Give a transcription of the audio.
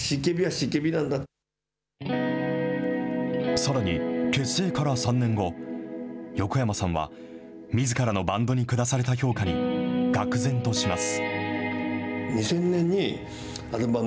さらに結成から３年後、横山さんはみずからのバンドに下された評価にがく然とします。